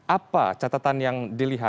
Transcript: apa catatan yang diberikan